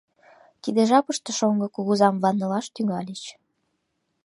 Тиде жапыште шоҥго кугызам ваннылаш тӱҥальыч.